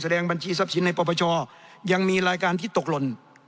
บัญชีทรัพย์สินในปปชยังมีรายการที่ตกหล่น